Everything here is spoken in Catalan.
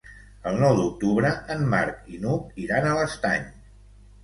El nou d'octubre en Marc i n'Hug iran a l'Estany.